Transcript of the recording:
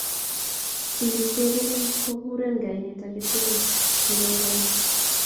Chi netebenen kokurenen kainet age tugul neiboiboiiti